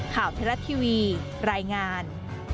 ข่าวเทลาส์ทีวีรายงาน